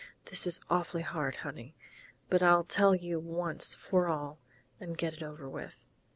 "This is awfully hard, honey, but I'll tell you once for all and get it over with....